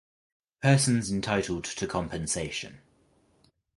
Persons entitled to compensation.